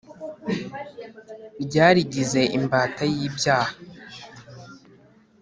Ryarigize imbata y’ibyaha